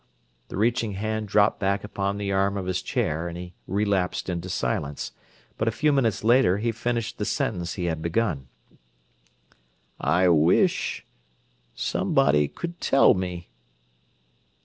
The reaching hand dropped back upon the arm of his chair, and he relapsed into silence; but a few minutes later he finished the sentence he had begun: "I wish—somebody could tell me!"